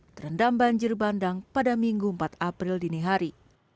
terendam banjir bandang pada minggu empat april dini hari